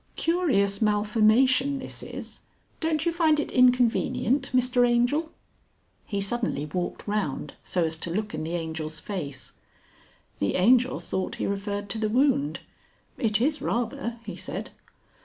Curious malformation this is! Don't you find it inconvenient, Mr Angel?" He suddenly walked round so as to look in the Angel's face. The Angel thought he referred to the wound. "It is rather," he said.